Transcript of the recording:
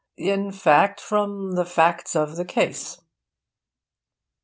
in fact, from the facts of the case.'